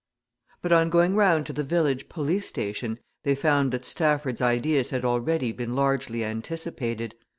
But on going round to the village police station they found that Stafford's ideas had already been largely anticipated.